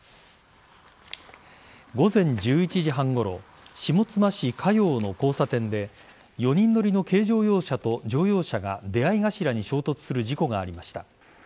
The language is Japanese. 午前１１時半ごろ下妻市加養の交差点で４人乗りの軽乗用車と乗用車が出合い頭に衝突する事故がありました。